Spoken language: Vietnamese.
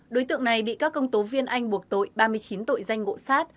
đối tượng này bị các công tố viên anh buộc tội ba mươi chín tội danh ngộ sát